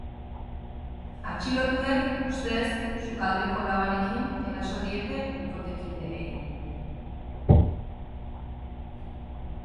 Atxilotuek ustez sukaldeko labanekin eraso diete bikotekideei.